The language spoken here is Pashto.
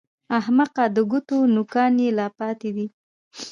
احمقه! د ګوتو نوکان يې لا پاتې دي!